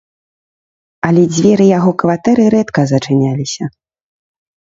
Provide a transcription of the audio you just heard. Але дзверы яго кватэры рэдка зачыняліся.